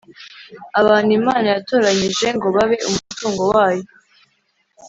abantu imana yatoranyije ngo babe umutungo wayo